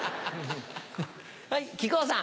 はい木久扇さん。